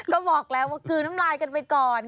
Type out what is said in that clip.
ก็บอกแล้วว่ากลืนน้ำลายกันไปก่อน